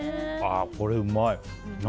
これうまい。